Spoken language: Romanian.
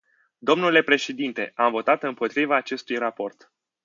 Domnule președinte, am votat împotriva acestui raport.